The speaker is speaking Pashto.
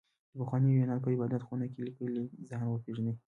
د پخواني يونان په عبادت خونه کې ليکلي ځان وپېژنئ.